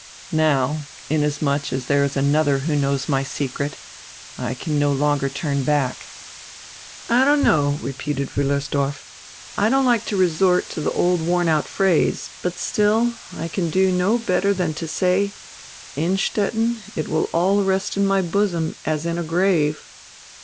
Now, inasmuch as diere is another who knows my secret, I can no longer turn back." "I don't know," repeated Wiillersdorf. "I don't like to resort to the old worn out phrase, but still I can do no better dian to say: Innstetten, it will all rest in my bosom as in a grave."